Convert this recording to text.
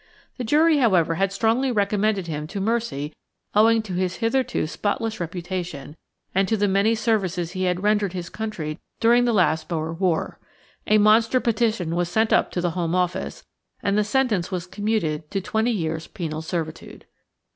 The jury, however, had strongly recommended him to mercy owing to his hitherto spotless reputation, and to the many services he had rendered his country during the last Boer War. A monster petition was sent up to the Home Office, and the sentence was commuted to twenty years' penal servitude.